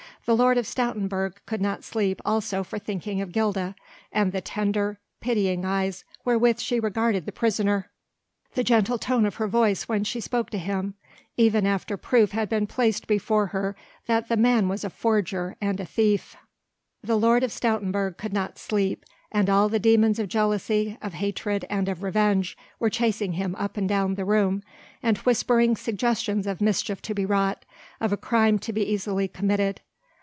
The Lord of Stoutenburg could not sleep also for thinking of Gilda, and the tender, pitying eyes wherewith she regarded the prisoner, the gentle tone of her voice when she spoke to him, even after proof had been placed before her that the man was a forger and a thief. The Lord of Stoutenburg could not sleep and all the demons of jealousy, of hatred and of revenge were chasing him up and down the room and whispering suggestions of mischief to be wrought, of a crime to be easily committed.